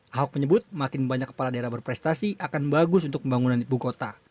ahok menyebut makin banyak kepala daerah berprestasi akan bagus untuk pembangunan ibu kota